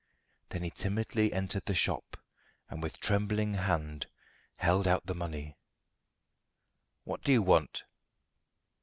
Then he timidly entered the shop, and with trembling hand held out the money. "What do you want?"